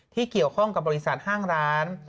ที่เกี่ยวข้องกับบริษัทห้างร้าน